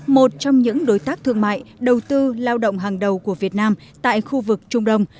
một trong những đối tác thương mại đầu tư lao động hàng đầu của việt nam tại khu vực trung đông